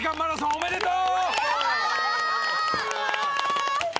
おめでとう。